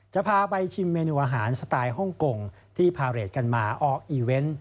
จะพาไปชิมเมนูอาหารสไตล์ฮ่องกงที่พาเรทกันมาออกอีเวนต์